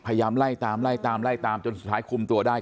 พยายามไล่ตามไล่ตามไล่ตามจนสุดท้ายคุมตัวได้